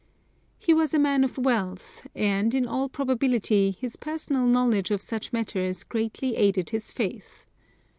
He was a man of wealth, and, in all probability, his personal knowledge of such matters greatly aided his faith.